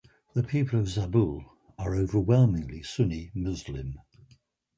The people of Zabul are overwhelmingly Sunni Muslim.